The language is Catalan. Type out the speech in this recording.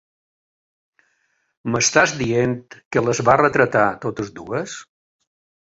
M'estàs dient que les va retratar totes dues?